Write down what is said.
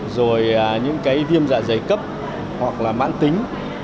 rồi những cái viêm dạ dày cấp hoặc là mãn tính